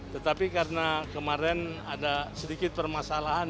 tetapi karena kemarin ada sedikit permasalahan